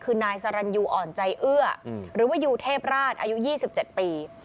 คือนายสรรยูอ่อนใจเอื้อหรือว่ายูเทพราชอายุ๒๗ปี